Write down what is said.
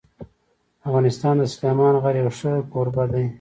افغانستان د سلیمان غر یو ښه کوربه دی.